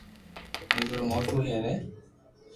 ميرپور موٽو ھير ھي